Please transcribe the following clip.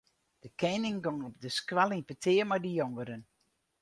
De kening gong op de skoalle yn petear mei de jongeren.